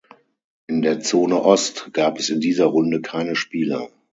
In der Zone Ost gab es in dieser Runde keine Spiele.